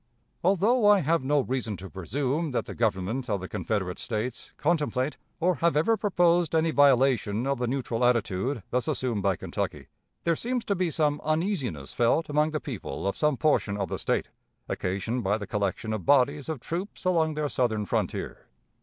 "Although I have no reason to presume that the Government of the Confederate States contemplate or have ever proposed any violation of the neutral attitude thus assumed by Kentucky, there seems to be some uneasiness felt among the people of some portion of the State, occasioned by the collection of bodies of troops along their southern frontier.